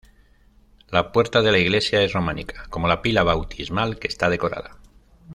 La puerta de la iglesia es románica, como la pila bautismal que está decorada.